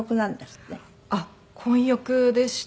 あっ混浴でした。